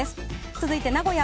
続いて、名古屋。